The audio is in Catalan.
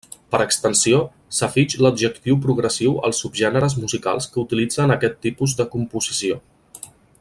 Per extensió s'afig l'adjectiu progressiu als subgèneres musicals que utilitzen aquest tipus de composició.